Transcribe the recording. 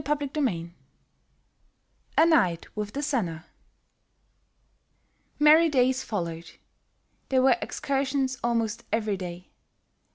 CHAPTER VII A NIGHT WITH THE SENNER MERRY days followed; there were excursions almost every day.